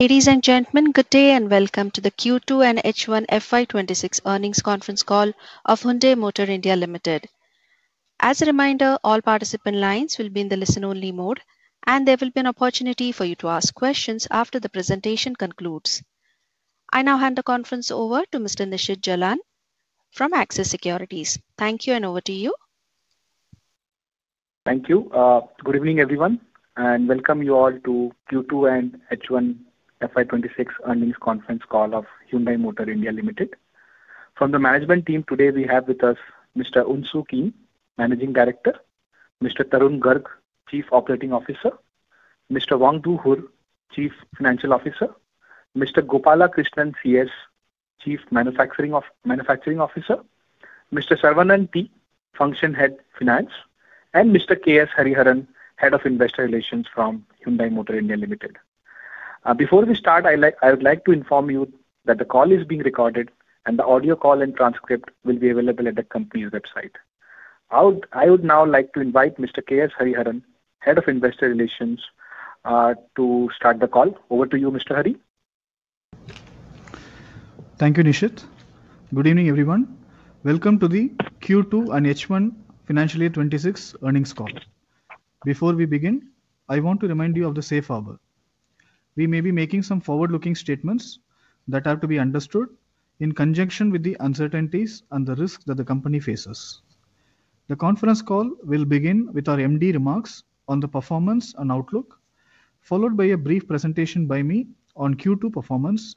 Ladies and gentlemen, good day and welcome to the Q2 and H1 FY 2026 earnings conference call of Hyundai Motor India Limited. As a reminder, all participant lines will be in the listen only mode, and there will be an opportunity for you to ask questions after the presentation concludes. I now hand the conference over to Mr. Nishit Jalan from Axis Securities. Thank you, and over to you. Thank you. Good evening, everyone, and welcome you all to Q2 and H1 FY 2026 earnings conference call of Hyundai Motor India Limited. From the management team today we have with us Mr. Unsoo Kim, Managing Director, Mr. Tarun Garg, Chief Operating Officer, Mr. Wangdo Hur, Chief Financial Officer, Mr. Gopala Krishnan C.S., Chief Manufacturing Officer, Mr. Saravanan T, Function Head Finance, and Mr. K.S. Hariharan, Head of Investor Relations from Hyundai Motor India Limited. Before we start, I would like to inform you that the call is being recorded and the audio call and transcript will be available at the company's website. I would now like to invite Mr. K.S. Hariharan, Head of Investor Relations, to start the call. Over to you, Mr. Hari. Thank you, Nishit. Good evening everyone. Welcome to the Q2 and H1 financial year 2026 earnings call. Before we begin, I want to remind you of the safe harbor we may be making. Some forward-looking statements have to be understood in conjunction with the uncertainties and the risks that the company faces. The conference call will begin with our MD remarks on the performance and outlook, followed by a brief presentation by me on Q2 performance,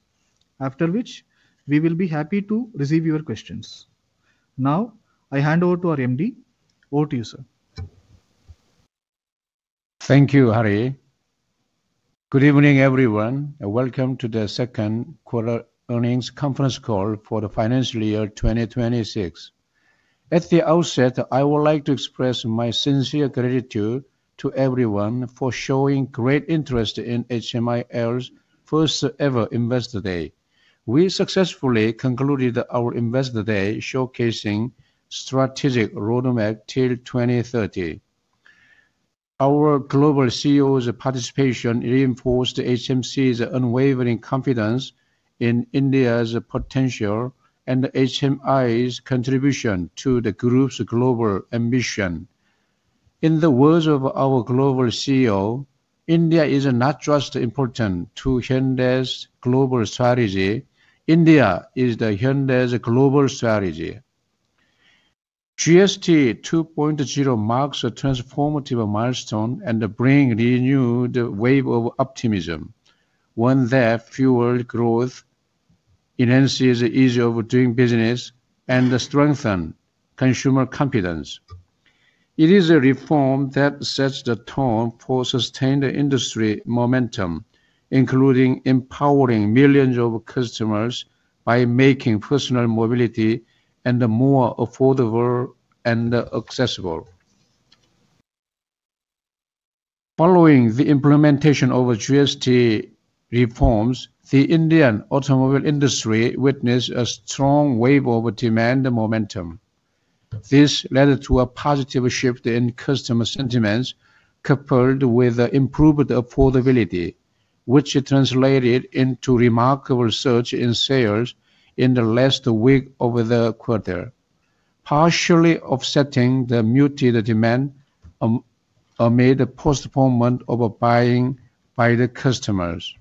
after which we will be happy to receive your questions. Now I hand over to our MD. Over to you, sir. Thank you, Hari. Good evening everyone. Welcome to the second quarter earnings conference call for the financial year 2026. At the outset, I would like to express my sincere gratitude to everyone for showing great interest in HMIL's first ever Investor Day. We successfully concluded our Investor Day showcasing strategic roadmap till 2030. Our global CEO's participation reinforced HMC's unwavering confidence in India's potential and HMIL's contribution to the group's global ambition. In the words of our global CEO, India is not just important to Hyundai's global strategy. India is the Hyundai's global strategy. GST 2.0 marks a transformative milestone and brings renewed wave of optimism, one that fuels growth, enhances the ease of doing business, and strengthens consumer confidence. It is a reform that sets the tone for sustained industry momentum, including empowering millions of customers by making personal mobility more affordable and accessible. Following the implementation of GST reforms, the Indian automobile industry witnessed a strong wave of demand momentum. This led to a positive shift in customer sentiments coupled with improved affordability, which translated into remarkable surge in sales in the last week of the quarter, partially offsetting the muted demand amid postponement of buying by the customers.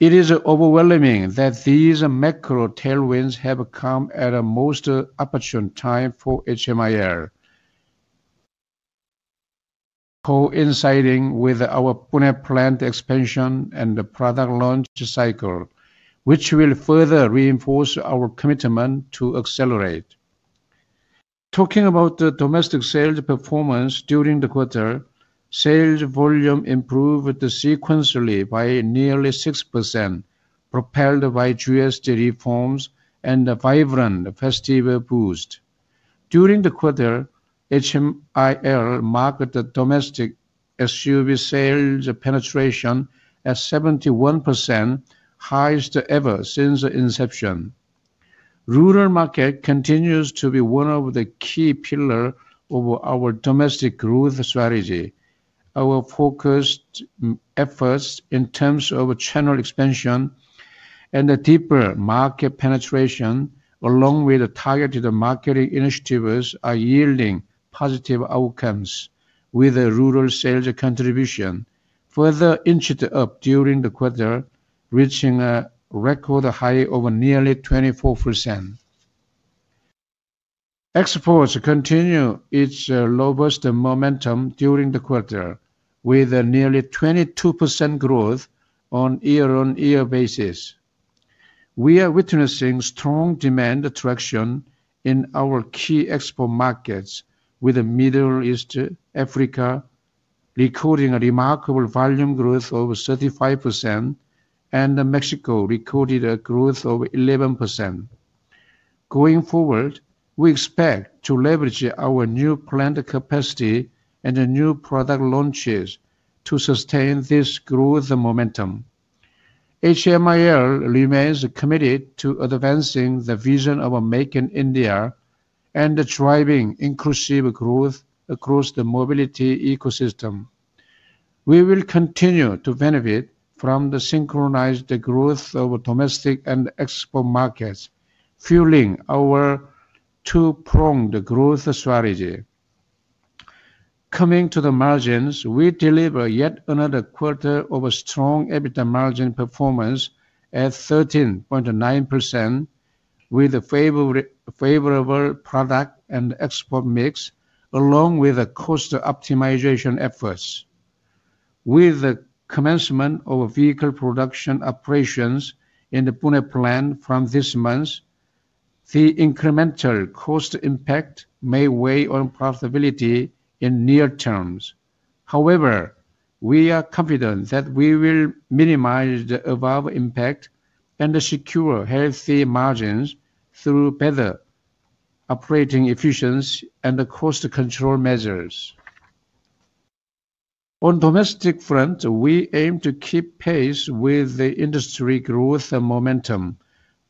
It is overwhelming that these macro tailwinds have come at a most opportune time for HMIL, coinciding with our Pune plant expansion and product launch cycle, which will further reinforce our commitment to accelerate. Talking about the domestic sales performance during the quarter, sales volume improved sequentially by nearly 6% propelled by GST reforms and vibrant festival boost during the quarter. HMIL marked domestic SUV sales penetration as 71%, highest ever since inception. Rural market continues to be one of the key pillars of our domestic growth strategy. Our focused efforts in terms of channel expansion and deeper market penetration along with targeted marketing initiatives are yielding positive outcomes, with rural sales contribution further inched up during the quarter reaching a record high of nearly 24%. Exports continue its robust momentum during the quarter with nearly 22% growth on year-on-year basis. We are witnessing strong demand attraction in our key export markets, with Middle East and Africa recording a remarkable volume growth of 35% and Mexico recorded a growth of 11%. Going forward, we expect to leverage our new plant capacity and new product launches to sustain this growth momentum. HMIL remains committed to advancing the vision of Make in India and driving inclusive growth across the mobility ecosystem. We will continue to benefit from the synchronized growth of domestic and export markets fueling our two-pronged growth strategy. Coming to the margins, we deliver yet another quarter of a strong EBITDA margin performance at 13.9% with favorable product and export mix along with cost optimization efforts. With the commencement of vehicle production operations in the Pune plant from this month, the incremental cost impact may weigh on profitability in near terms. However, we are confident that we will minimize the above impact and secure healthy margins through better operating efficiency and cost control measures. On the domestic front, we aim to keep pace with the industry growth momentum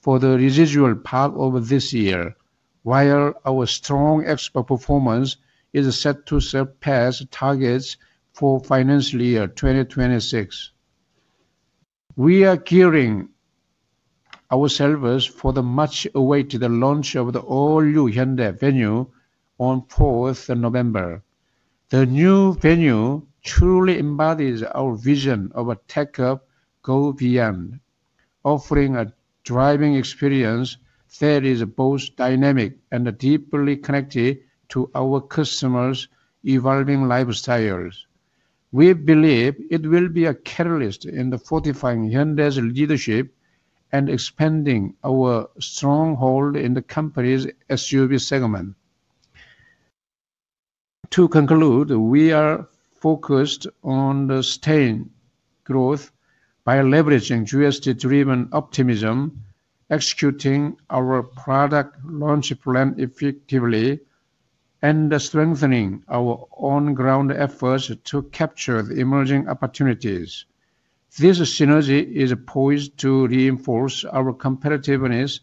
for the residual part of this year. While our strong export performance is set to surpass targets for financial year 2026, we are gearing ourselves for the much-awaited launch of the all-new Hyundai VENUE on 4th of November. The new VENUE truly embodies our vision of a tech upgrade, going beyond, offering a driving experience that is both dynamic and deeply connected to our customers' evolving lifestyles. We believe it will be a catalyst in fortifying Hyundai's leadership and expanding our stronghold in the company's SUV segment. To conclude, we are focused on sustained growth by leveraging GST-driven optimism, executing our product launch plan effectively, and strengthening our on-ground efforts to capture the emerging opportunities. This synergy is poised to reinforce our competitiveness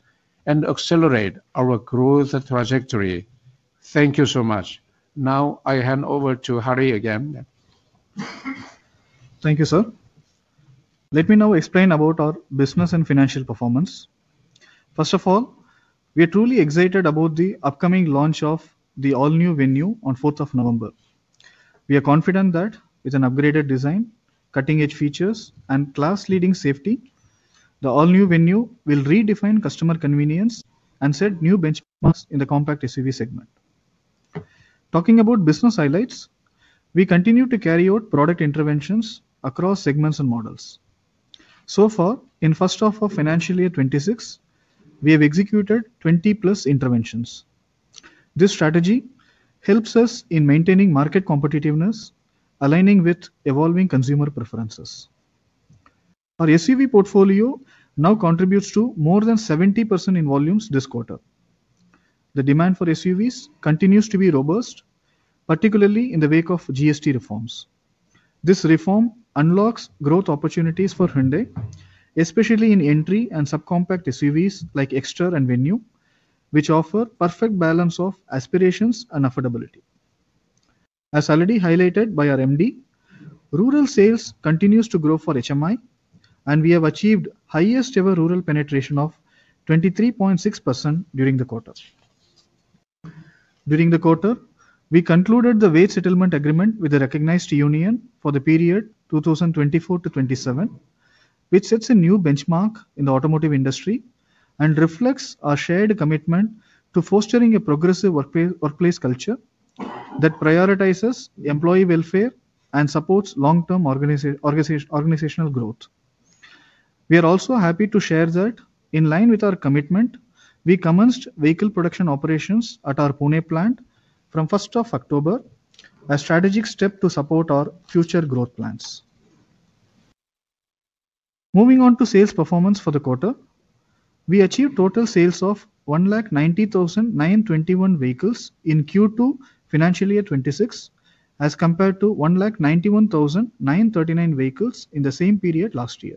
and accelerate our growth trajectory. Thank you so much. Now I hand over to Hari again. Thank you, sir. Let me now explain about our business and financial performance. First of all, we are truly excited about the upcoming launch of the all-new VENUE on 4th of November. We are confident that with an upgraded design, cutting edge features, and class leading safety, the all-new VENUE will redefine customer convenience and set new benchmarks in the compact SUV segment. Talking about business highlights, we continue to carry out product interventions across segments and models. So far in the first half of financial year 2026, we have executed 20+ interventions. This strategy helps us in maintaining market competitiveness, aligning with evolving consumer preferences. Our SUV portfolio now contributes to more than 70% in volumes this quarter. The demand for SUVs continues to be robust, particularly in the wake of GST reforms. This reform unlocks growth opportunities for Hyundai, especially in entry and subcompact SUVs like EXTER and VENUE, which offer perfect balance of aspirations and affordability. As already highlighted by our MD, rural sales continue to grow for HMI and we have achieved highest ever rural penetration of 23.6% during the quarter. During the quarter, we concluded the wage settlement agreement with the recognized union for the period 2024-2027, which sets a new benchmark in the automotive industry and reflects our shared commitment to fostering a progressive workplace culture that prioritizes employee welfare and supports long term organizational growth. We are also happy to share that in line with our commitment, we commenced vehicle production operations at our Pune plant from 1st of October, a strategic step to support our future growth plans. Moving on to sales performance for the quarter, we achieved total sales of 190,921 vehicles in Q2 financial year 2026 as compared to 191,939 vehicles in the same period last year.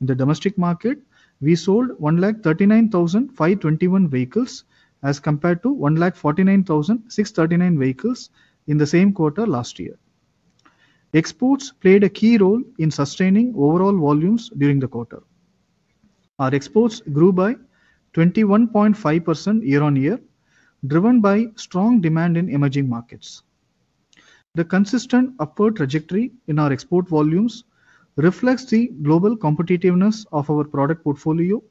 In the domestic market, we sold 139,521 vehicles as compared to 149,639 vehicles in the same quarter last year. Exports played a key role in sustaining overall volumes during the quarter. Our exports grew by 21.5% year-on-year, driven by strong demand in emerging markets. The consistent upward trajectory in our export volumes reflects the global competitiveness of our product portfolio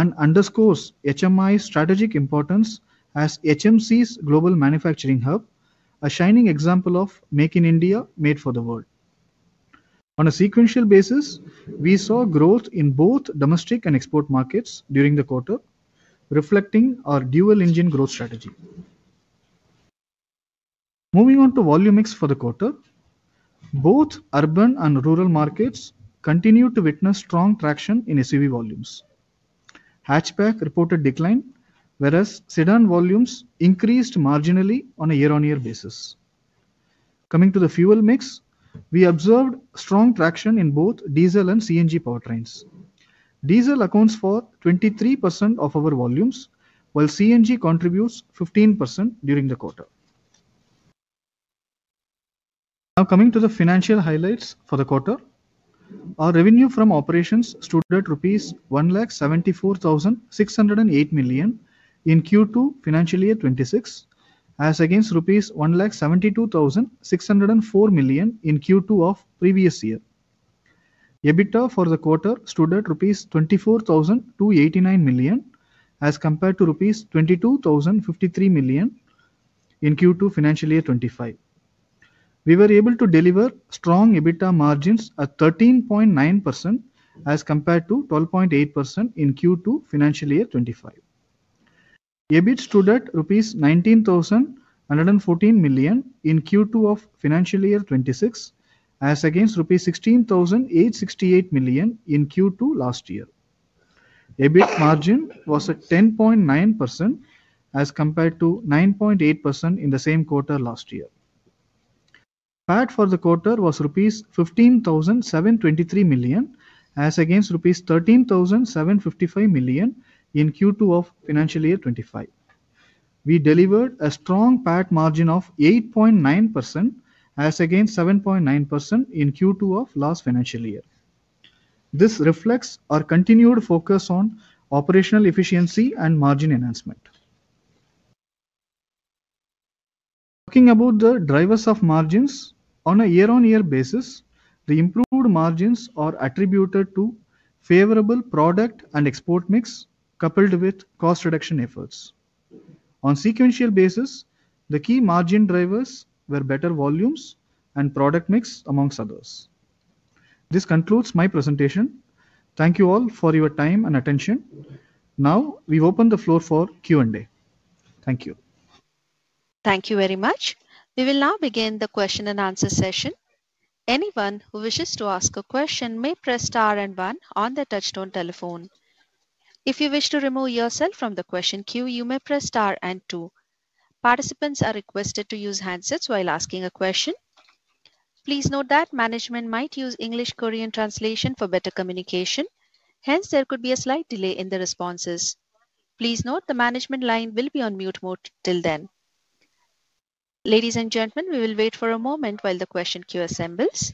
and underscores HMI's strategic importance as HMC's global manufacturing hub. A shining example of Make in India, made for the world on a sequential basis. We saw growth in both domestic and export markets during the quarter, reflecting our dual engine growth strategy. Moving on to volume mix for the quarter, both urban and rural markets continue to witness strong traction in ACV volumes. Hatchback reported decline, whereas sedan volumes increased marginally on a year-on-year basis. Coming to the fuel mix, we observed strong traction in both diesel and CNG powertrains. Diesel accounts for 23% of our volumes, while CNG contributes 15% during the quarter. Now coming to the financial highlights for the quarter, our revenue from operations stood at rupees 174,608 million in Q2 financial year 2026 as against rupees 172,604 million in Q2 of the previous year. EBITDA for the quarter stood at rupees 24,289 million as compared to rupees 22,053 million in Q2 financial year 2025. We were able to deliver strong EBITDA margins at 13.9% as compared to 12.8% in Q2 financial year 2025. EBIT stood at rupees 19,114 million in Q2 of financial year 2026 as against rupees 16,868 million in Q2 last year. EBIT margin was at 10.9% as compared to 9.8% in the same quarter last year. PAT for the quarter was rupees 15,723 million as against rupees 13,755 million in Q2 of financial year 2025. We delivered a strong PAT margin of 8.9% as against 7.9% in Q2 of last financial year. This reflects our continued focus on operational efficiency and margin enhancement. Talking about the drivers of margins on a year-on-year basis, the improved margins are attributed to favorable product and export mix coupled with cost reduction efforts. On a sequential basis, the key margin drivers were better volumes, product mix, amongst others. This concludes my presentation. Thank you all for your time and attention. Now we open the floor for Q&A. Thank you. Thank you very much. We will now begin the question and answer session. Anyone who wishes to ask a question may press star and 1 on the Touchstone telephone. If you wish to remove yourself from the question queue, you may press star and 2. Participants are requested to use handsets while asking a question. Please note that management might use English Korean translation for better communication. Hence, there could be a slight delay in the responses. Please note the management line will be on mute mode till then. Ladies and gentlemen, we will wait for a moment while the question queue assembles.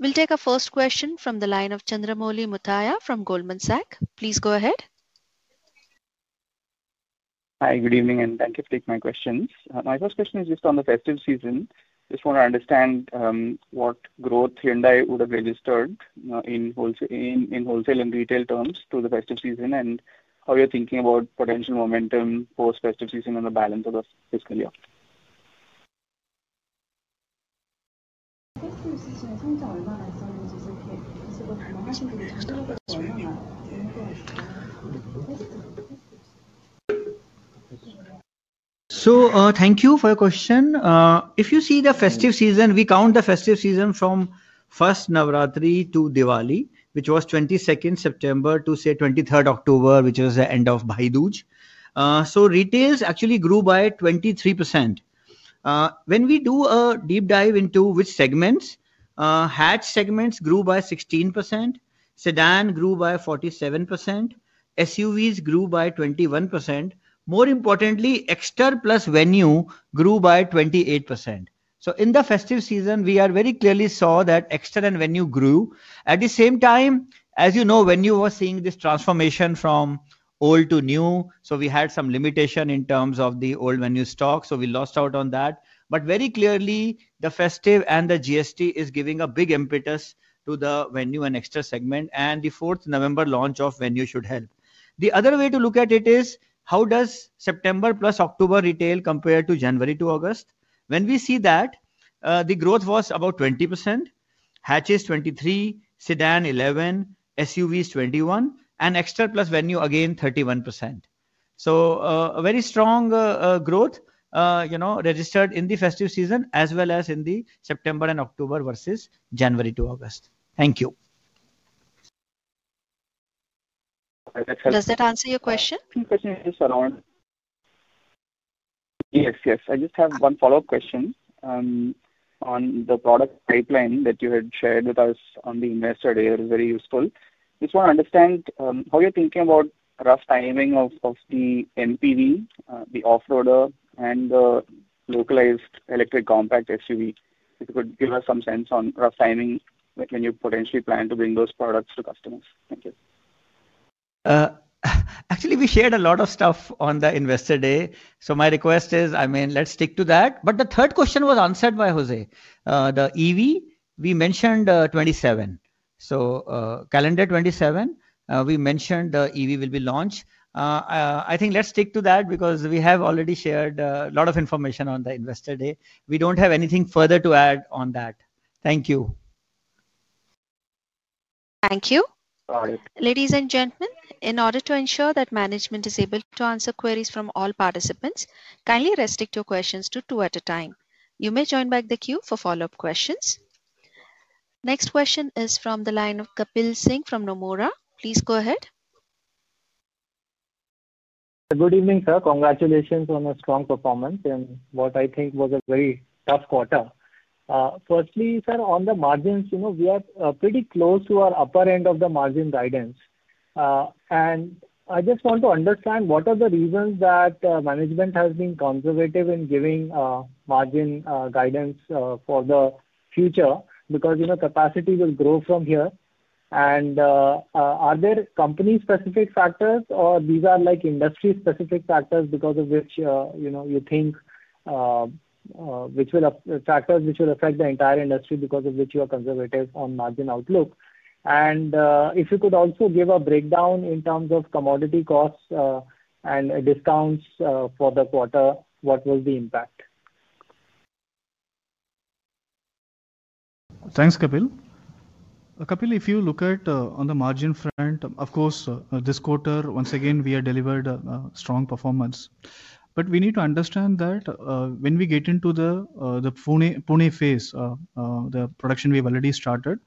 We'll take the first question from the line of Chandramouli Muthiah from Goldman Sachs. Please go ahead. Hi, good evening and thank you for taking my questions. My first question is just on the festive season. Just want to understand what growth Hyundai would have registered in wholesale and retail terms to the festive season, and how you're thinking about potential momentum post festive season on the balance of the fiscal year. Thank you for your question. If you see the festive season, we count the festive season from 1st Navratri to Diwali, which was 22nd September-23rd October, which was the end of Bhai Dooj. Retails actually grew by 23%. When we do a deep dive into which segments, hatch segments grew by 16%, sedan grew by 47%, SUVs grew by 21%. More importantly, EXTER plus VENUE grew by 28%. In the festive season, we very clearly saw that EXTER and VENUE grew at the same time. As you know, VENUE was seeing this transformation from old to new. We had some limitation in terms of the old VENUE stock, so we lost out on that. Very clearly, the festive and the GST is giving a big impetus to the VENUE and EXTER segment, and the 4th November launch of VENUE should help. The other way to look at it is how September plus October retail compares to January to August. When we see that, the growth was about 20%. Hatches 23%, sedan 11%, SUV is 21%, and EXTER plus VENUE again 31%. A very strong growth registered in the festive season as well as in September and October versus January to August. Thank you. Does that answer your question? Yes, yes. I just have one follow-up question on the product pipeline that you had shared with us on the Investor Day. That is very useful. Just want to understand how you're thinking about rough timing of the NPV, the off-roader, and the localized electric compact SUV. If you could give us some sense on rough timing when you potentially plan to bring those products to customers. Thank you. Actually, we shared a lot of stuff on the Investor Day, so my request is, I mean, let's stick to that. The third question was answered by José. The EV, we mentioned 2027. So, calendar 2027, we mentioned EV will be launched. I think let's stick to that because we have already shared a lot of information on the Investor Day. We don't have anything further to add on that. Thank you. Thank you. Ladies and gentlemen, in order to ensure that management is able to answer queries from all participants, kindly restrict your questions to two at a time. You may join back the queue for follow up questions. Next question is from the line of Kapil Singh from Nomura. Please go ahead. Good evening, sir. Congratulations on a strong performance and what I think was a very tough quarter. Firstly, sir, on the margins, you know, we are pretty close to our upper end of the margin guidance. I just want to understand what are the reasons that management has been conservative in giving margin guidance for the future. You know capacity will grow from here and are there company specific factors or these are like industry specific factors because of which, you know, you think which will. Factors which will affect the entire industry. Because of which you are conservative on margin outlook. If you could also give a breakdown in terms of commodity costs and discounts for the quarter, what was the impact? Thanks, Kapil. Kapil, if you look at on the margin front, of course this quarter, once again we had delivered strong performance. We need to understand that when we get into the Pune phase, the production we have already started,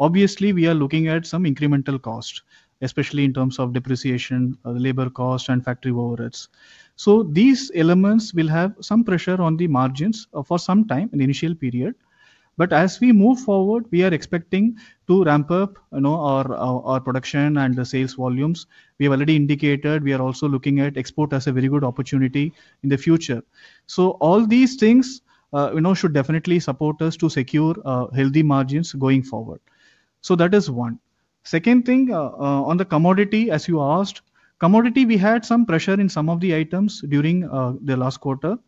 obviously we are looking at some incremental cost, especially in terms of depreciation, labor cost, and factory overheads. So. These elements will have some pressure on the margins for some time in the initial period. As we move forward, we are expecting to ramp up our production and the sales volumes we have already indicated. We are also looking at export as a very good opportunity in the future. All these things should definitely support us to secure healthy margins going forward. That is one second thing. On the commodity, as you asked, commodity, we had some pressure in some of the items during the last quarter.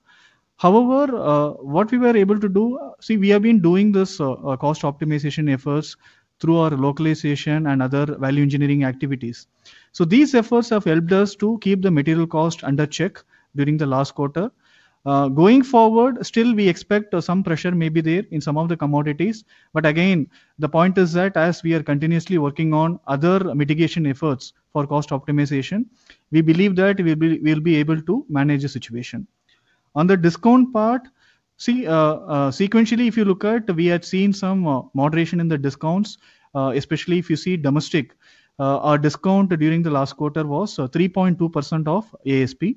However, what we were able to do, see, we have been doing this cost optimization efforts through our localization and other value engineering activities. These efforts have helped us to keep the material cost under check during the last quarter. Going forward, still, we expect some pressure may be there in some of the commodities. Again, the point is that as we are continuously working on other mitigation efforts for cost optimization, we believe that we'll be able to manage the situation. On the discount part, see sequentially, if you look at, we had seen some moderation in the discounts, especially if you see domestic. Our discount during the last quarter was 3.2% of ASP.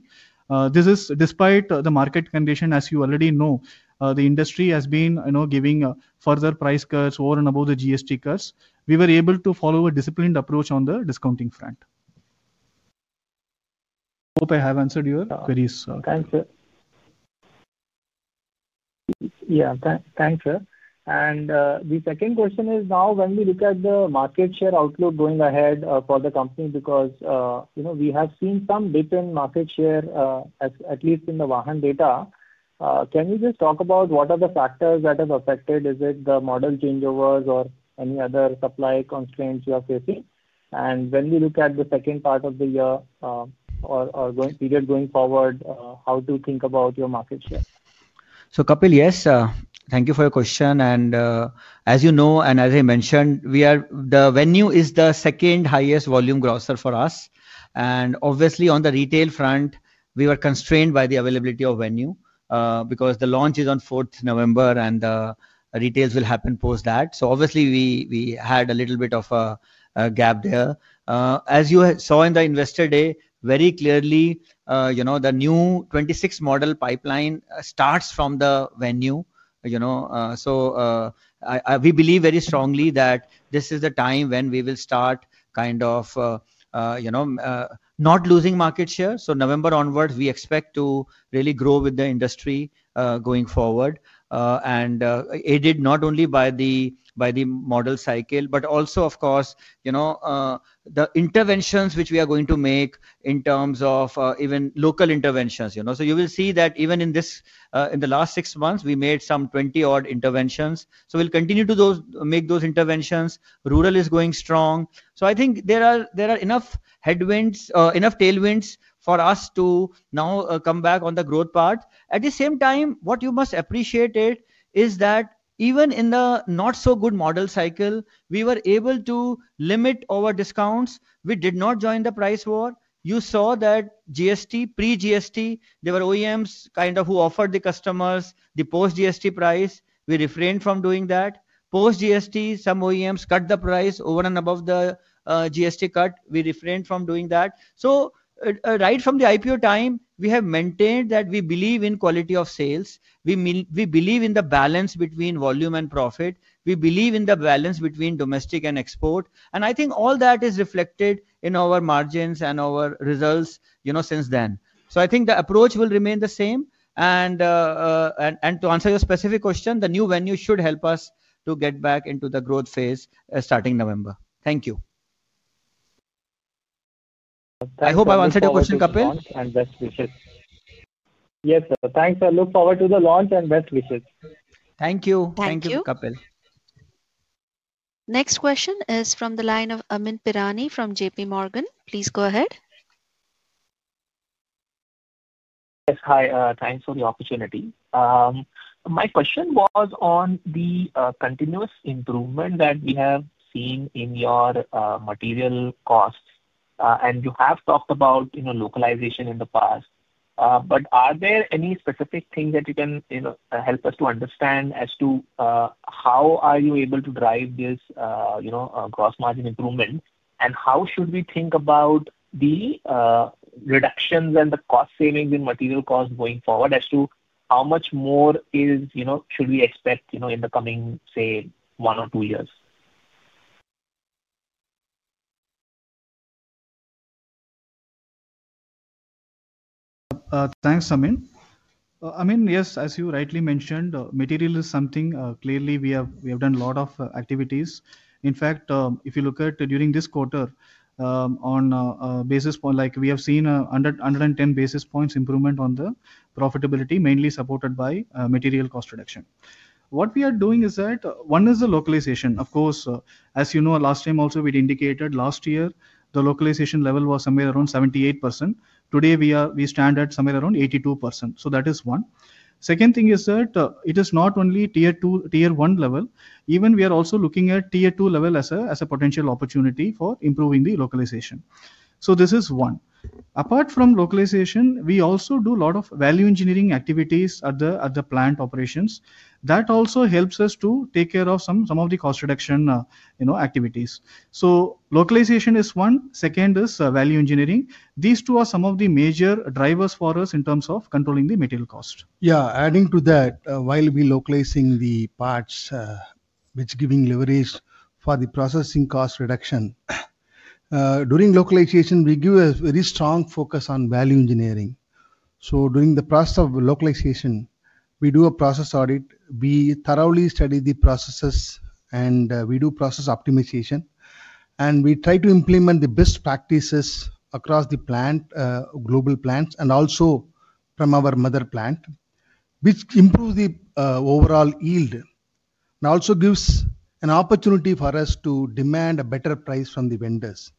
This is despite the market condition. As you already know, the industry has been giving further price cuts over and above the GST cuts. We were able to follow a disciplined approach on the discounting front. Hope I have answered your queries. Thank you, sir. Thank you, sir. The second question is, when we look at the market share outlook going ahead for the company, because we have seen some dip in market share, at least in the VAHAN data, can you talk about what are the factors that have affected it? Is it the model changeovers or any other supply constraints you are facing? When we look at the second part of the year or period going forward, how should we think about your market share? Yes, thank you for your question. As you know, and as I mentioned, the VENUE is the second highest volume grocer for us and obviously on the retail front we were constrained by the availability of VENUE because the launch is on 4th November and retails will happen post that. Obviously, we had a little bit of a gap there. As you saw in the Investor Day very clearly, the new 26 model pipeline starts from the VENUE. We believe very strongly that this is the time when we will start kind of not losing market share. November onwards we expect to really grow with the industry going forward and aided not only by the model cycle but also, of course, the interventions which we are going to make in terms of even local interventions. You will see that even in the last six months we made some 20 odd interventions. We will continue to make those interventions. Rural is going strong. I think there are enough headwinds, enough tailwinds for us to now come back on the growth path. At the same time, what you must appreciate is that even in the not so good model cycle we were able to limit our discounts. We did not join the price war. You saw that pre-GST, there were OEMs who offered the customers the post-GST price. We refrained from doing that. Post-GST, some OEMs cut the price over and above the GST cut. We refrained from doing that. Right from the IPO time we have maintained that we believe in quality of sales, we believe in the balance between volume and profit, we believe in the balance between domestic and export. I think all that is reflected in our margins and our results since then. I think the approach will remain the same. To answer your specific question, the new VENUE should help us to get back into the growth phase starting November. Thank you. I hope I answered your question, Kapil. Yes, thanks. I look forward to the launch and best wishes. Thank you. Thank you, Kapil. Next question is from the line of Amyn Pirani from JPMorgan. Please go ahead. Yes, hi. Thanks for the opportunity. My question was on the continuous improvement that we have seen in your material costs. You have talked about localization in the past, but are there any specific things that you can help us to understand as to how you are able to drive this gross margin improvement and how should we think about the reductions and the cost savings in material cost going forward as to how much more should we expect in the coming, say, one or two years? Thanks, Amyn. Yes, as you rightly mentioned, material is something clearly we have done a lot of activities. In fact, if you look at during this quarter on basis point, we have seen 110 basis points improvement on the profitability, mainly supported by material cost reduction. What we are doing is that one is the localization. Of course, as you know, last time also we indicated last year the localization level was somewhere around 78%. Today we stand at somewhere around 82%. That is one. Second thing is that it is not only tier 2, tier 1 level, we are also looking at tier 2 level as a potential opportunity for improving the localization. This is one. Apart from localization, we also do a lot of value engineering activities at the plant operations. That also helps us to take care of some of the cost reduction activities. Localization is one, second is value engineering. These two are some of the major drivers for us in terms of controlling the material cost. Yeah, adding to that, while we localizing the parts which giving leverage for the processing cost reduction during localization, we give a very strong focus on value engineering. During the process of localization, we do a process audit. We thoroughly study the processes and we do process optimization and we try to implement the best practices across the plant, global plants and also from our mother plant, which improve the overall yield and also gives an opportunity for us to demand a better price from the vendors.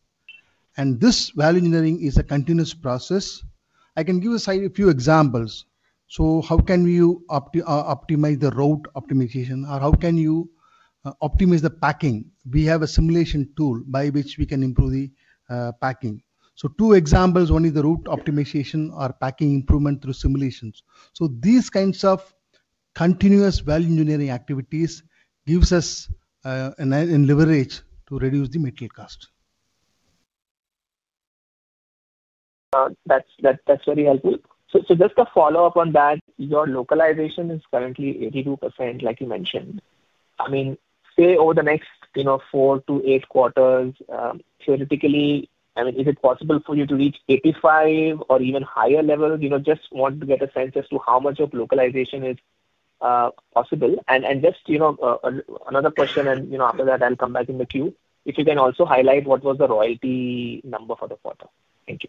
This value engineering is a continuous process. I can give a few examples. How can you optimize the route optimization or how can you optimize the packing? We have a simulation tool by which we can improve the packing. Two examples. One is the route optimization or packing improvement through simulations. These kinds of continuous value engineering activities gives us leverage to reduce the material cost. That's very helpful. Just a follow up on that, your localization is currently 82% like you mentioned. Over the next, you know, four to eight quarters theoretically, is it possible for you to reach 85% or even higher levels? I just want to get a sense as to how much of localization is possible, and just another question and after that I'll come back in the queue. If you can also highlight what was the royalty number for the quarter. Thank you.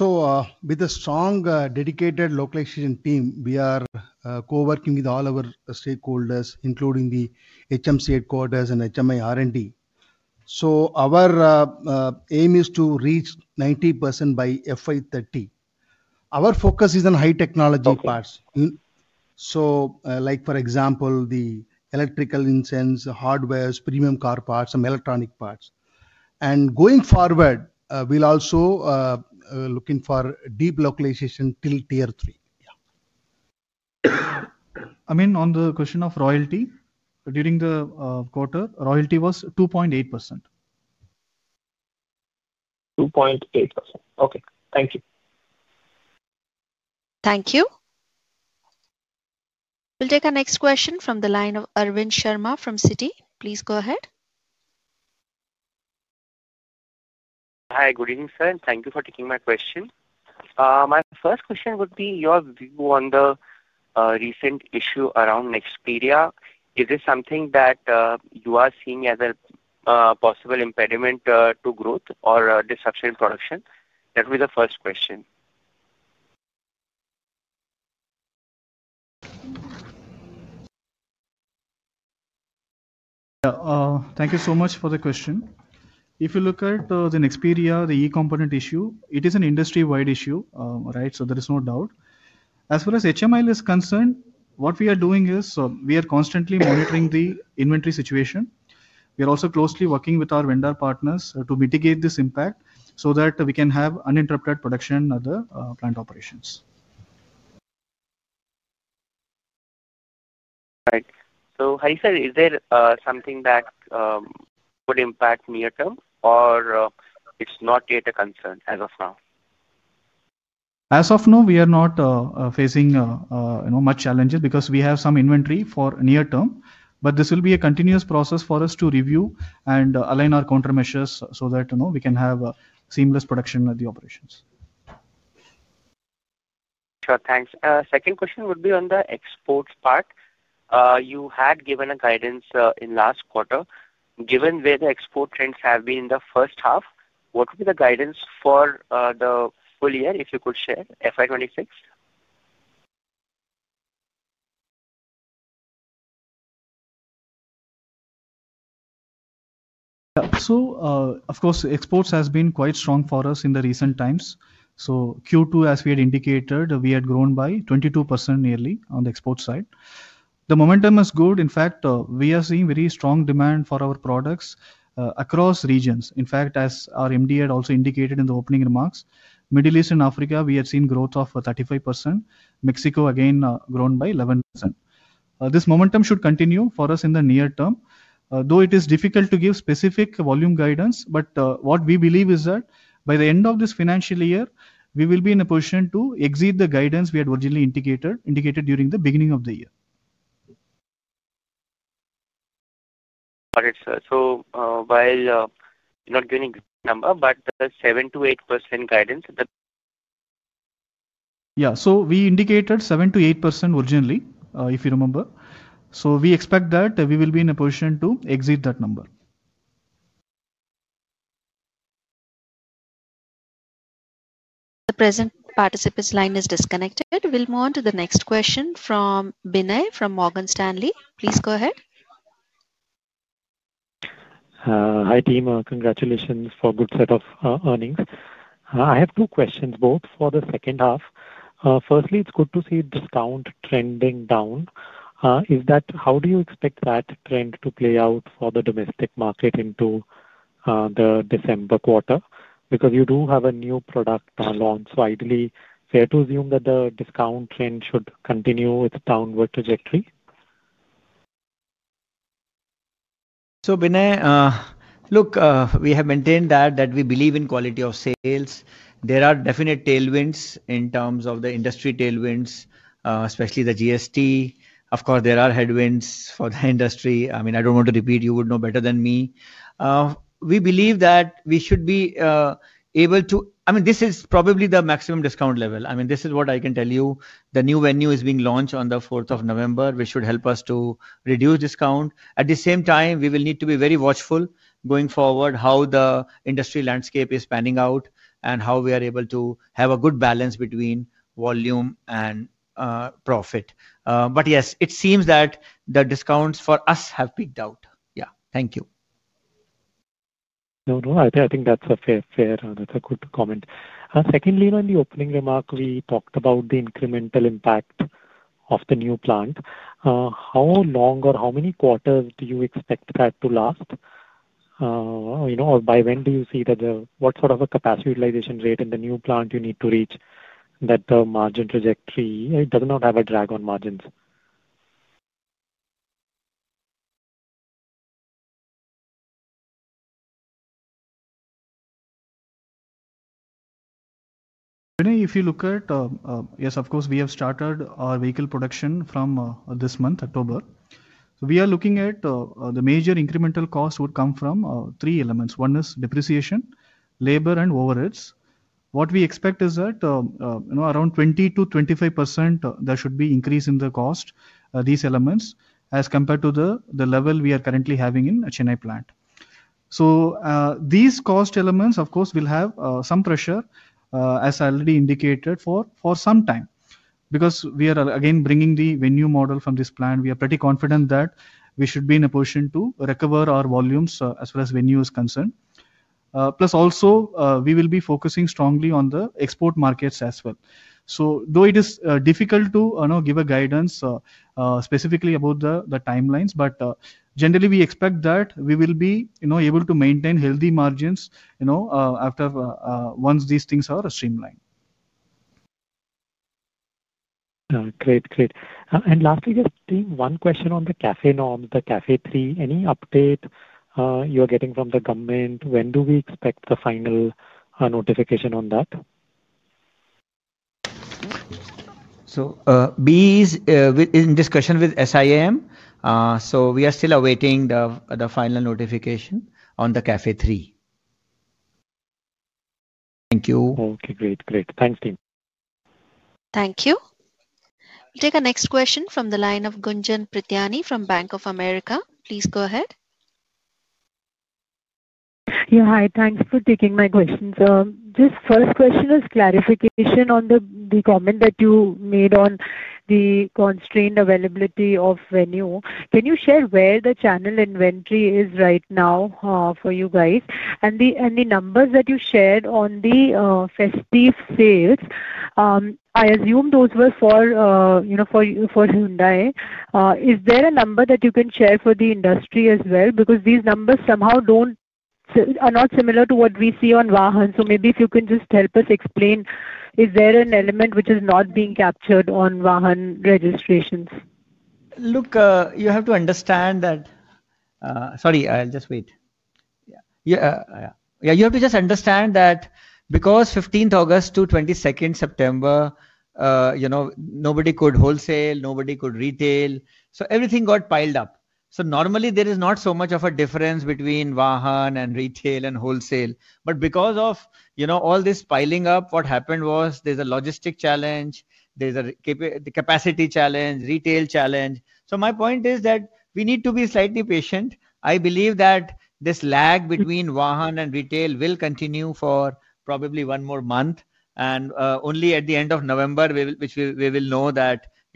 Yeah. With a strong dedicated localization team, we are co-working with all our stakeholders including the HMC headquarters and HMI R&D. Our aim is to reach 90% by FY 2030. Our focus is on high technology parts, for example, the electrical insense, hardware, premium car parts, some electronic parts. Going forward, we're also looking for deep localization till tier 3. On the question of royalty during the quarter, royalty was 2.8%. 2.8%. Okay, thank you. Thank you. We'll take our next question from the line of Arvind Sharma from Citi. Please go ahead. Hi, good evening sir. Thank you for taking my question. My first question would be your view on the recent issue around Nexperia. Is this something that you are seeing as a possible impediment to growth or disruption in production? That was the first question. Thank you so much for the question. If you look at the Nexperia component issue, it is an industry-wide issue. Right. There is no doubt as far as HMI is concerned, what we are doing is we are constantly monitoring the inventory situation. We are also closely working with our vendor partners to mitigate this impact so that we can have uninterrupted production and other plant operations. Right. So Hari, is there something that would impact near term or it's not yet a concern as of now. As of now we are not facing much challenges because we have some inventory for near term. This will be a continuous process for us to review and align our countermeasures so that we can have seamless production at the operations. Sure. Thanks. Second question would be on the exports part. You had given a guidance in last quarter given where the export trends have been in the first half. What would be the guidance for the full year? If you could share FY 2026. Exports have been quite strong for us in recent times. In Q2, as we had indicated, we had grown by 22% nearly on the export side. The momentum is good. In fact, we are seeing very strong demand for our products across regions. As our MD had also indicated in the opening remarks, Middle East and Africa have seen growth of 35%. Mexico again has grown by 11%. This momentum should continue for us in the near term, though it is difficult to give specific volume guidance. What we believe is that by the end of this financial year we will be in a position to exceed the guidance we had originally indicated during the beginning of the year. All right, sir. While not giving number, the 7%-8% guidance. Yeah, we indicated 7%-8% originally if you remember. We expect that we will be in a position to exit that number. The present participant's line is disconnected. We'll move on to the next question from Binay from Morgan Stanley. Please go ahead. Hi team. Congratulations for good set of earnings. I have two questions both for the second half. Firstly, it's good to see discount trending down. Is that how do you expect that trend to play out for the domestic market into the December quarter, because you do have a new product launch? Ideally, fair to assume that the discount trend should continue with downward trajectory. Binay, look, we have maintained that we believe in quality of sales. There are definite tailwinds in terms of the industry tailwinds, especially the GST. Of course, there are headwinds for the industry. I mean, I don't want to repeat. You would know better than me. We believe that we should be able to. I mean this is probably the maximum discount level. I mean this is what I can tell you. The new VENUE is being launched on the 4th of November, which should help us to reduce discount. At the same time, we will need to be very watchful going forward, how the industry landscape is panning out and how we are able to have a good balance between volume and profit. Yes, it seems that the discounts for us have peaked out. Yeah, thank you. I think that's fair. That's a good comment. Secondly, in the opening remark we talked about the incremental impact of the new plant. How long or how many quarters do you expect that to last? You know, or by when do you see that, what sort of a capacity utilization rate in the new plant? You need to reach that margin trajectory. It does not have a drag on margins. If you look at it, yes, of course, we have started our vehicle production from this month, October. We are looking at the major incremental cost would come from three elements. One is depreciation, labor, and overheads. What we expect is that around 20%-25% there should be increase in the cost of these elements as compared to the level we are currently having in Chennai plant. These cost elements, of course, will have some pressure as I already indicated for some time because we are again bringing the VENUE model from this plant. We are pretty confident that we should be in a position to recover our volumes as far as VENUE is concerned. Plus, also, we will be focusing strongly on the export markets as well. Though it is difficult to give a guidance specifically about the timelines, generally we expect that we will be able to maintain healthy margins once these things are streamlined. Great, great. Lastly, just one question on the CAFE norms. The CAFE-III, any update you are getting from the government? When do we expect the final notification on that? We are in discussion with Siam. We are still awaiting the final notification on the CAFE-III. Thank you. Okay, great, great. Thanks, team. Thank you. Take the next question from the line of Gunjan Prithyani from Bank of America. Please go ahead. Hi, thanks for taking my questions. First question is clarification on the comment that you made on the constrained availability of VENUE. Can you share where the channel inventory is right now for you guys? The numbers that you shared on the festive sales, I assume those were for Hyundai. Is there a number that you can share for the industry as well? Because these numbers somehow are not similar to what we see on VAHAN. Maybe if you can just help us explain. Is there an element which is not being captured on VAHAN registrations? You have to understand that because from 15th August-22nd September, nobody could wholesale, nobody could retail. Everything got piled up. Normally there is not so much of a difference between VAHAN and retail and wholesale, but because of all this piling up, what happened was there was a logistics challenge, there was a capacity challenge, retail challenge. My point is that we need to be slightly patient. I believe that this lag between VAHAN and retail will continue for probably one more month and only at the end of November will we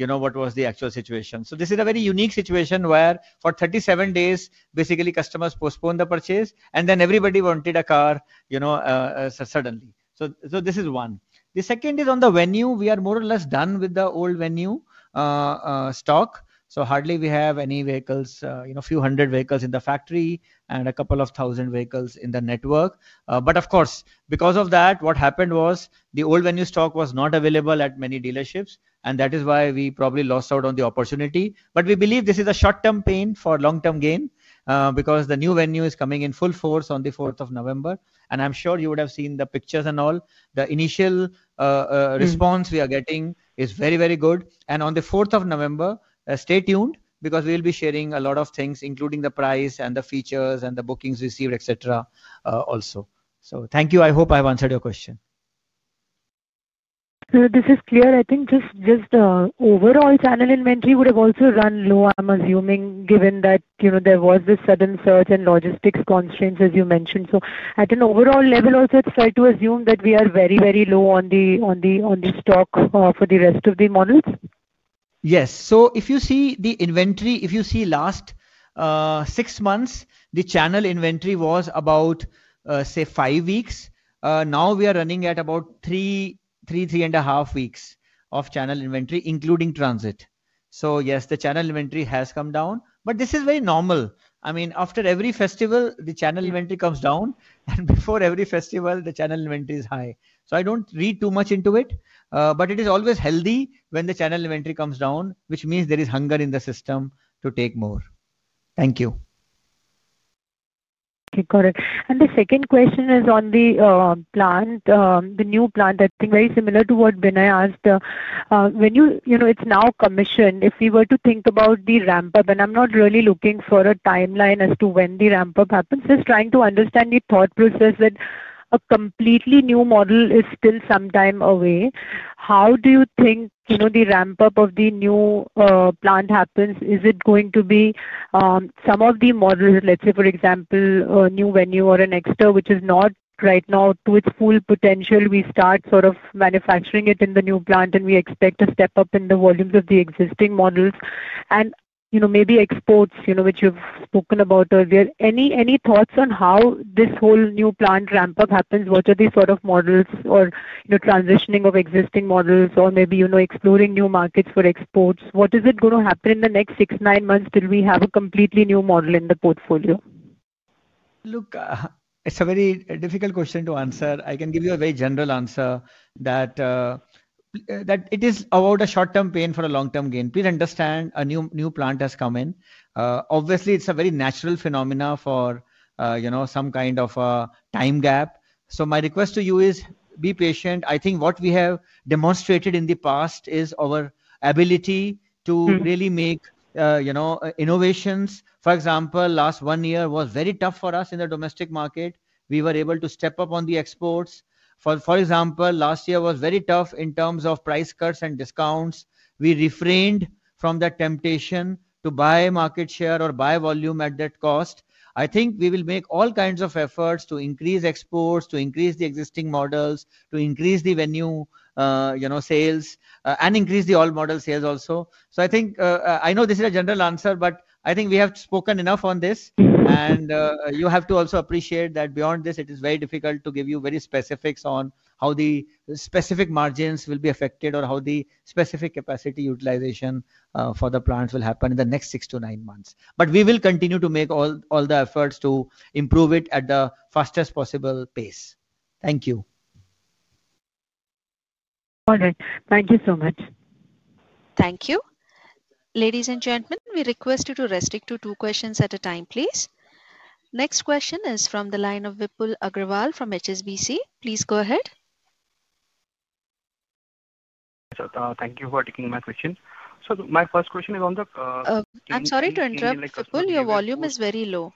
know what was the actual situation. This is a very unique situation where for 37 days basically customers postponed the purchase and then everybody wanted a car suddenly. This is one. The second is on the VENUE. We are more or less done with the old VENUE stock. Hardly we have any vehicles, a few hundred vehicles in the factory and a couple of thousand vehicles in the network. Of course, because of that, what happened was the old VENUE stock was not available at many dealerships and that is why we probably lost out on the opportunity. We believe this is a short-term pain for long-term gain because the new VENUE is coming in full force on 4th of November and I'm sure you would have seen the pictures and all. The initial response we are getting is very, very good. On 4th of November, stay tuned because we'll be sharing a lot of things including the price and the features and the bookings received, etc. Also. So. Thank you. I hope I've answered your question. This is clear. I think just overall channel inventory would have also run low, I'm assuming, given that there was this sudden surge in logistics constraints as you mentioned. At an overall level, it's fair to assume that we are very, very low on the stock for the rest of the models. Yes. If you see the inventory, if you see the last six months, the channel inventory was about, say, five weeks. Now we are running at about three, three and a half weeks of channel inventory, including transit. Yes, the channel inventory has come down, but this is very normal. After every festival, the channel inventory comes down, and before every festival, the channel inventory is high. I don't read too much into it. It is always healthy when the channel inventory comes down, which means there is hunger in the system to take more. Thank you. The second question is on the plant, the new plant, that thing very similar to what Binay asked when you, you know, it's now commissioned. If we were to think about the ramp up and I'm not really looking for a timeline as to when the ramp up happens, just trying to understand the thought process that a complete new model is still some time away. How do you think the ramp up of the new plant happens? Is it going to be some of the models, let's say for example, new VENUE or an EXTER, which is not right now to its full potential. We start sort of manufacturing it in the new plant and we expect a step up in the volumes of the existing models and maybe exports, which you've spoken about earlier. Any thoughts on how this whole new plant ramp up happens? What are these sort of models or transitioning of existing models or maybe, you know, exploring new markets for exports. What is it going to happen in the next six, nine months till we have a completely new model in the portfolio? Look, it's a very difficult question to answer. I can give you a very general answer that it is about a short-term pain for a long-term gain. Please understand, a new plant has come in. Obviously, it's a very natural phenomenon for some kind of a time gap. My request to you is be patient. I think what we have demonstrated in the past is our ability to really make innovations. For example, last one year was very tough for us in the domestic market. We were able to step up on the exports. For example, last year was very tough in terms of price cuts and discounts. We refrained from that temptation to buy market share or buy volume at that cost. I think we will make all kinds of efforts to increase exports, to increase the existing models, to increase the VENUE sales and increase the all model sales also. I know this is a general answer, but I think we have spoken enough on this. You have to also appreciate that beyond this it is very difficult to give you specifics on how the specific margins will be affected or how the specific capacity utilization for the plants will happen in the next six to nine months. We will continue to make all the efforts to improve it at the fastest possible pace. Thank you. All right. Thank you so much. Thank you. Ladies and gentlemen, we request you to restrict to two questions at a time, please. Next question is from the line of Vipul Agrawal from HSBC. Please go ahead. Thank you for taking my question. My first question is on the. I'm sorry to interrupt. Your volume is very low.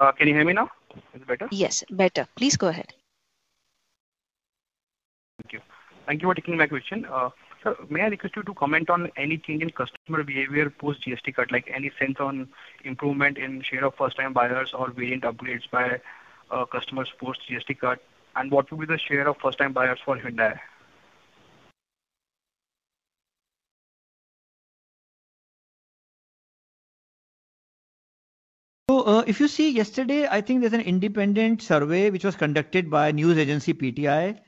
Can you hear me now? Is it better? Yes, better. Please go ahead. Thank you. Thank you for taking my question. May I request you to comment on anything in customer behavior post GST 2.0, like any sense on improvement in share of first time buyers or variant upgrades by customer support GST 2.0, and what will be the share of first time buyers for Hyundai? If you see yesterday, I think there's an independent survey which was conducted by news agency PTI.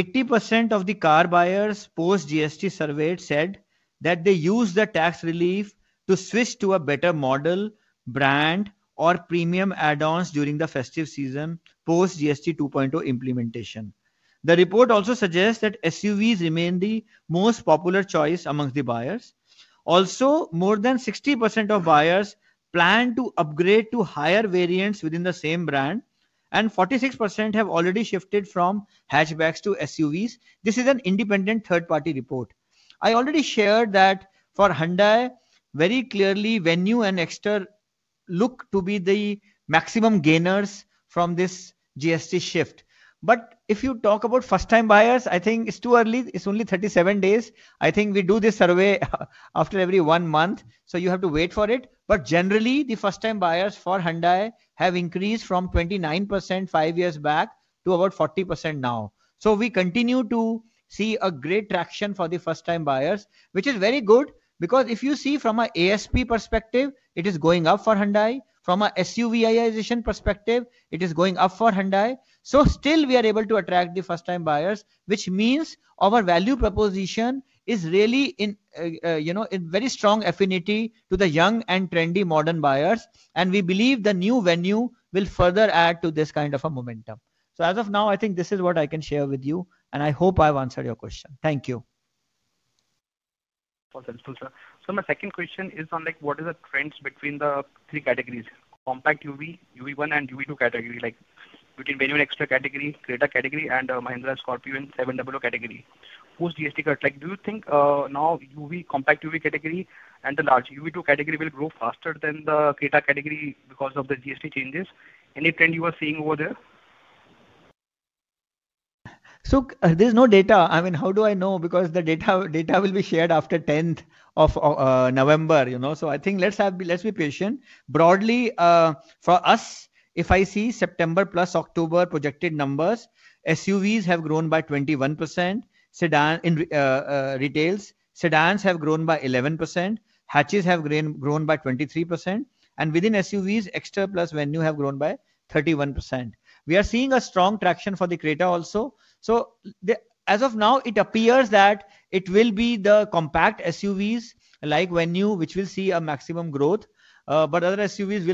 80% of the car buyers post GST surveyed said that they use the tax relief to switch to a better model, brand, or premium add-ons during the festive season post GST 2.0 implementation. The report also suggests that SUVs remain the most popular choice amongst the buyers. Also, more than 60% of buyers plan to upgrade to higher variants within the same brand, and 46% have already shifted from hatchbacks to SUVs. This is an independent third-party report. I already shared that for Hyundai. Very clearly VENUE and EXTER look to be the maximum gainers from this GST shift. If you talk about first time buyers, I think it's too early. It's only 37 days. We do this survey after every one month, so you have to wait for it. Generally, the first time buyers for Hyundai have increased from 29% five years back to about 40% now. We continue to see a great traction for the first time buyers which is very good because if you see from an ASP perspective it is going up for Hyundai. From a SUV-isation perspective it is going up for Hyundai. We are still able to attract the first time buyers which means our value proposition is really in, you know, in very strong affinity to the young and trendy modern buyers. We believe the new VENUE will further add to this kind of a momentum. As of now I think this is what I can share with you and I hope I've answered your question. Thank you. My second question is on what is the trend between the three categories, Compact UV, UV1, and UV2 category. Between VENUE and EXTER category, CRETA category, and Mahindra Scorpio 700 category whose GST cut, do you think now UV, Compact UV category, and the large UV2 category will grow faster than the category because of the GST changes? Any trend you are seeing over there? There's no data. I mean, how do I know? Because the data will be shared after 10th of November, you know. I think let's be patient. Broadly for us, if I see September plus October projected numbers, SUVs have grown by 21%, sedans in retails have grown by 11%, hatches have grown by 23%, and within SUVs, EXTER plus VENUE have grown by 31%. We are seeing a strong traction for the CRETA also. As of now, it appears that it will be the compact SUVs like VENUE which will see a maximum growth. Other SUVs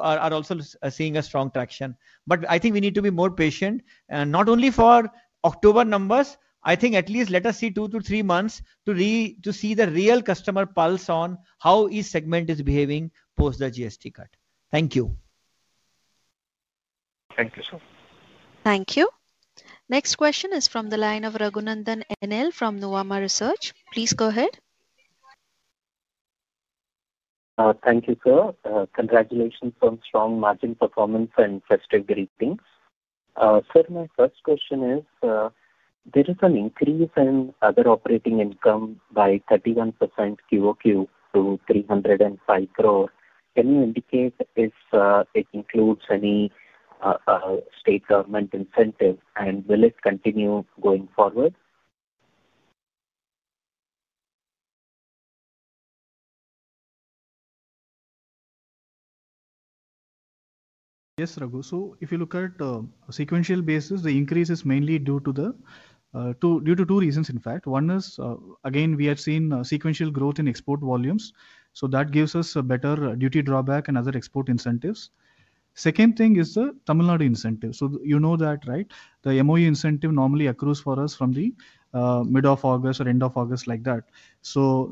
are also seeing a strong traction. I think we need to be more patient and not only for October numbers. I think at least let us see two to three months to see the real customer pulse on how each segment is behaving post the GST cut. Thank you. Thank you, sir. Thank you. Next question is from the line of Raghunandhan NL from Nuvama Research. Please go ahead. Thank you, sir. Congratulations on strong margin performance and festive greetings, sir. My first question is there is an increase in other operating income by 31% QoQ to 305 crore. Can you indicate if it includes any state government incentive, and will it continue going forward? Yes, Raghu. If you look at sequential basis, the increase is mainly due to two reasons. One is, again, we have seen sequential growth in export volumes, so that gives us a better duty drawback and other export incentives. The second thing is the Tamil Nadu incentives. You know that, right? The MOU incentive normally accrues for us from the mid of August or end of August like that.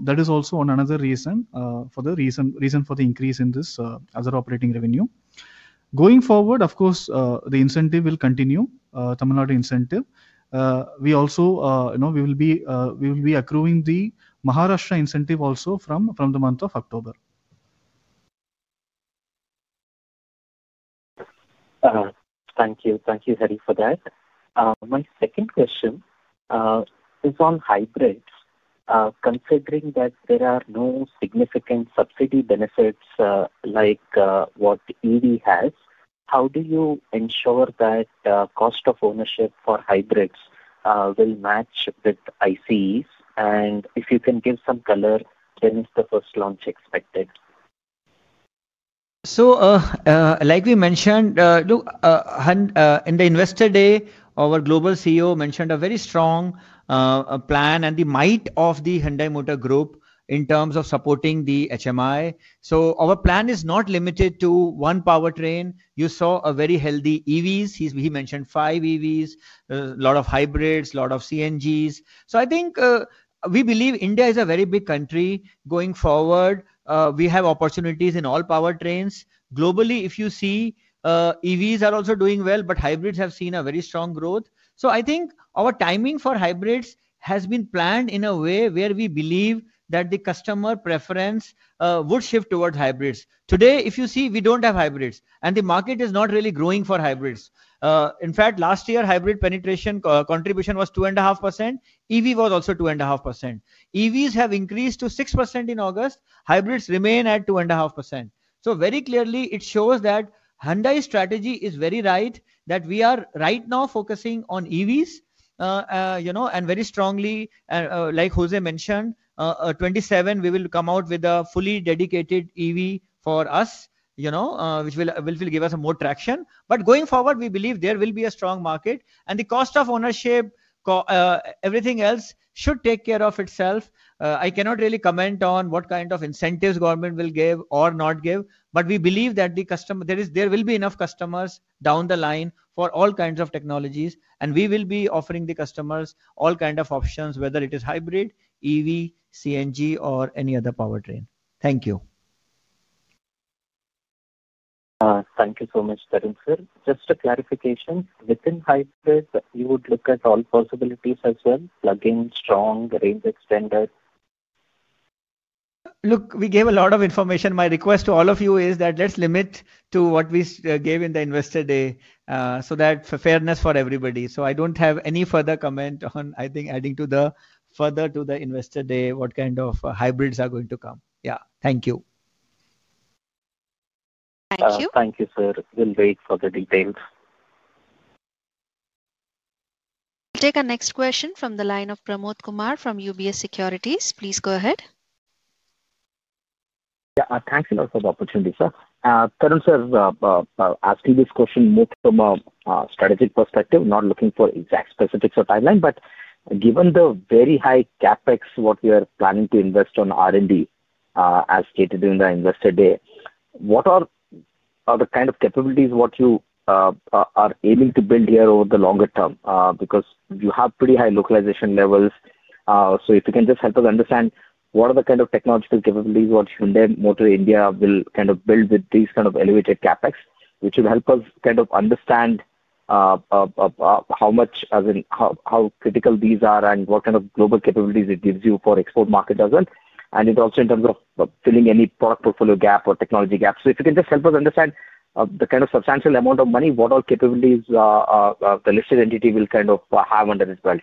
That is also another reason for the increase in this other operating revenue going forward. Of course, the incentive will continue, Tamil Nadu incentive. We also will be accruing the Maharashtra incentive from the month of October. Thank you. Thank you, Hari, for that. My second question is on hybrids. Considering that there are no significant subsidy benefits like what EV has, how do you ensure that cost of ownership for hybrids will match with ICEs? If you can give some color, when is the first launch expected? Like we mentioned in the Investor Day, our global CEO mentioned a very strong plan and the might of the Hyundai Motor Group in terms of supporting the HMI. Our plan is not limited to one powertrain. You saw a very healthy EVs, he mentioned five EVs, a lot of hybrids, lot of CNGs. We believe India is a very big country. Going forward we have opportunities in all powertrains globally. If you see EVs are also doing well. Hybrids have seen a very strong growth. I think our timing for hybrids has been planned in a way where we believe that the customer preference would shift towards hybrids. Today, if you see we don't have hybrids and the market is not really growing for hybrids, in fact, last year hybrid penetration contribution was 2.5%. EV was also 2.5%. EVs have increased to 6% in August. Hybrids remain at 2.5%. It shows that Hyundai strategy is very right, that we are right now focusing on EVs, you know, and very strongly, like José mentioned 2027, we will come out with a fully dedicated EV for us, you know, which will give us more traction. Going forward, we believe there will be a strong market and the cost of ownership. Everything else should take care of itself. I cannot really comment on what kind of incentives government will give or not give. We believe that the customer there is, there will be enough customers down the line for all kinds of technologies. We will be offering the customers all kind of options, whether it is hybrid, EV, CNG or any other powertrain. Thank you. Thank you so much. Just a clarification. Within hybrid, you would look at all possibilities as well: plug-in, strong, range, extended. Look, we gave a lot of information. My request to all of you is that let's limit to what we gave in the Investor Day so that for fairness for everybody. I don't have any further comment on adding to the Investor Day what kind of hybrids are going to come. Thank you. Thank you. Thank you, sir. We'll wait for the details. Thank you, our next question from the line of Pramod Kumar from UBS Securities. Please go ahead. Yeah, thanks a lot for the opportunity sir. Asking this question from a strategic perspective, not looking for exact specifics or timeline, but given the very high CapEx what we are planning to invest on R&D as catered in the Investor Day, what are the kind of capabilities what you are aiming to build here over the longer term? You have pretty high localization levels. If you can just help us understand what are the kind of technological capabilities what Hyundai Motor India will kind of build with these kind of elevated CapEx, which will help us understand how much, as in how critical these are, and what kind of global capabilities it gives you for export market as well, and also in terms of filling any product portfolio gap or technology gap. If you can just help us understand the kind of substantial amount of money, what all capabilities the listed entity will kind of have under its belt.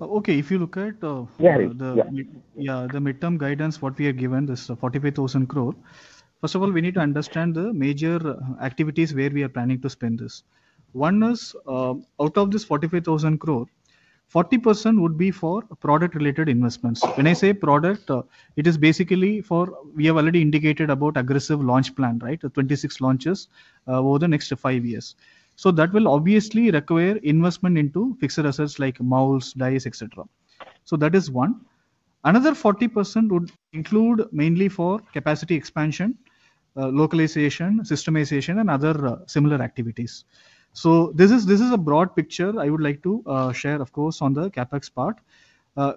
Okay, if you look at the midterm guidance, what we have given is 45,000 crore. First of all, we need to understand the major activities where we are planning to spend. Out of this 45,000 crore, 40% would be for product-related investments. When I say product, it is basically for, we have already indicated about aggressive launch plan, right? Twenty-six launches over the next five years. That will obviously require investment into fixed assets like moulds, dies, etc. That is one. Another 40% would include mainly capacity expansion, localization, systemization, and other similar activities. This is a broad picture I would like to share. Of course, on the CapEx part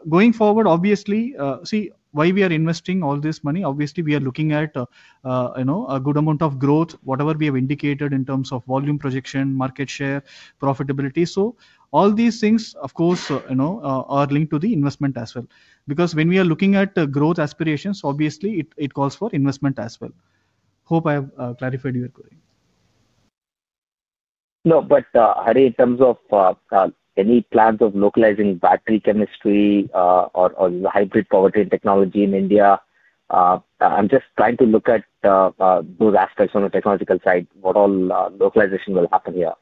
going forward, obviously, see why we are investing all this money. Obviously, we are looking at, you know, a good amount of growth, whatever we have indicated in terms of volume, projection, market share, profitability. All these things, of course, you know, are linked to the investment as well because when we are looking at growth aspirations, obviously it calls for investment as well. Hope I have clarified your query. Hari, in terms of any plans of localizing battery chemistry or hybrid powertrain technology in India, I'm just trying to look at those aspects on the technological side, what all localization will happen here.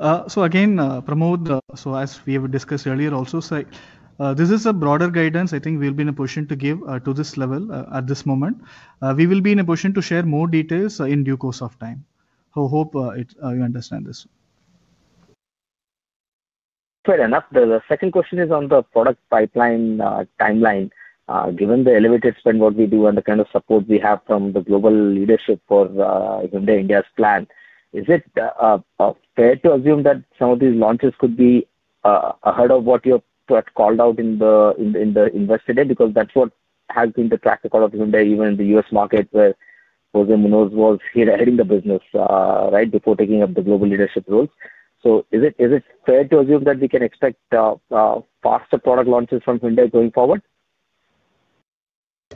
As we have discussed earlier also, this is a broader guidance. I think we'll be in a position to give to this level at this moment. We will be in a position to share more details in due course of time. I hope you understand this. Fair enough. The second question is on the product pipeline timeline. Given the elevated spend, what we do and the kind of support we have from the global leadership for Hyundai Motor India’s plan, is it fair to assume that some of these launches could be ahead of what you called out in the Investor Day? Because that's what has been the track record of Hyundai even in the U.S. market where José Muñoz was heading the business right before taking up the global leadership roles. Is it fair to assume that we can expect faster product launches from Hyundai going forward?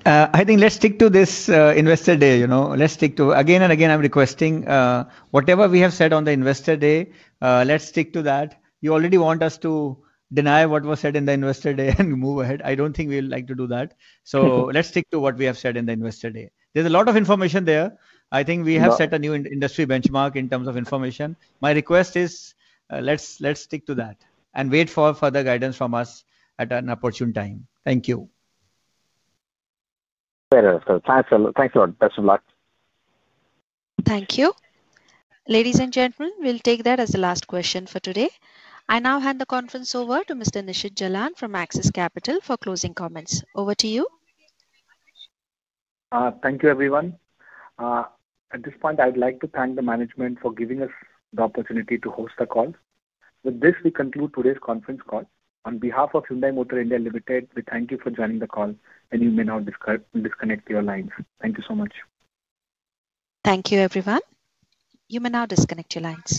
I think let's stick to this Investor Day. Let's stick to again and again. I'm requesting whatever we have said on the Investor Day, let's stick to that. You already want us to deny what was said in the Investor Day and move ahead. I don't think we'd like to do that. Let's stick to what we have said in the Investor Day. There's a lot of information there. I think we have set a new industry benchmark in terms of information. My request is let's stick to that and wait for further guidance from us at an opportune time. Thank you. Thanks a lot. Best of luck. Thank you. Ladies and gentlemen, we'll take that as the last question for today. I now hand the conference over to Mr. Nishit Jalan from Axis Capital for closing comments. Over to you. Thank you, everyone. At this point, I'd like to thank the management for giving us the opportunity to host the call. With this, we conclude today's conference call. On behalf of Hyundai Motor India Limited, we thank you for joining the call and you may now disconnect your lines. Thank you so much. Thank you, everyone. You may now disconnect your lines.